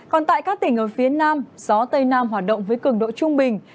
còn tại các tỉnh ở phía nam gió tây nam hoạt động với cường độ trung bình